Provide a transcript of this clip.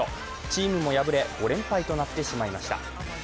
チームも敗れ５連敗となってしまいました。